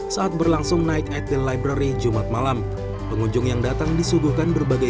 saat berlangsung night at the library jumat malam pengunjung yang datang disuguhkan berbagai